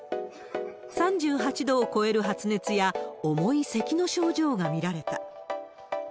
３８度を超える発熱や、重いせきの症状が見られた。